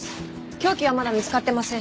凶器はまだ見つかってません。